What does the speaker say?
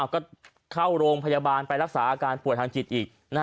ก็เข้าโรงพยาบาลไปรักษาอาการป่วยทางจิตอีก